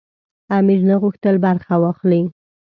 امیر نه غوښتل برخه واخلي.